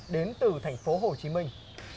đến từ thành phố hồ chí minh